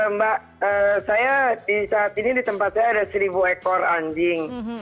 mbak saya di saat ini di tempat saya ada seribu ekor anjing